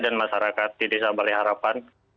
dan masyarakat di desa bali harapan